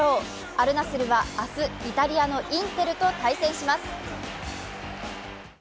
アル・ナスルは明日、イタリアのインテルと対戦します。